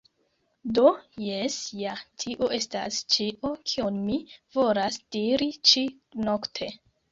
Do, jes ja, tio estas ĉio, kion mi volas diri ĉi-nokte